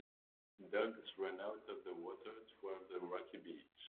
Dogs run out of the water toward a rocky beach.